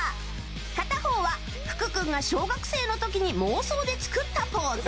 片方は福君が小学生の時に妄想で作ったポーズ。